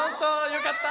よかった！